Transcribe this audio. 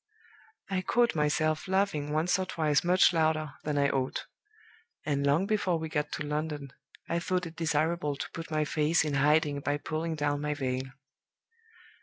I caught myself laughing once or twice much louder than I ought; and long before we got to London I thought it desirable to put my face in hiding by pulling down my veil.